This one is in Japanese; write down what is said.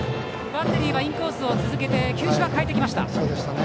バッテリーはインコースを続けて球種は変えてきました。